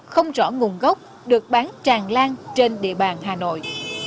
không rõ nguồn gốc được bán tràn lan trên địa bàn hà nội